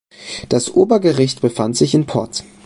Das Obergericht befand sich in Porz.